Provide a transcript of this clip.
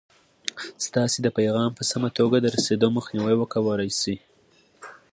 ستاسې د پیغام په سمه توګه د رسېدو مخنیوی کولای شي.